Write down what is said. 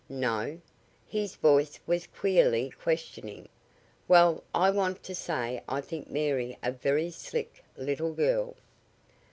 "No?" His voice was queerly questioning. "Well, I want to say I think Mary a very slick little girl."